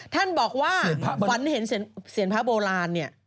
ท่านบอกว่าฝันเห็นเสียงพระโบราณเนี่ย